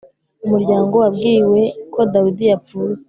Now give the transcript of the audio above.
Umuryango wabwiwe ko Dawidi yapfuye